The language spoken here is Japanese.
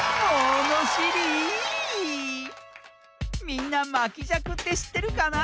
みんなまきじゃくってしってるかな？